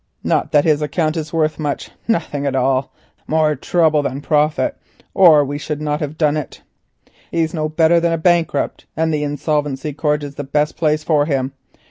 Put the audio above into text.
Not that his account is worth much, nothing at all—more trouble than profit—or we should not have done it. He's no better than a bankrupt and the insolvency court is the best place for him.